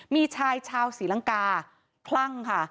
มีชายชาวศรีลังกาคลั่งค่ะ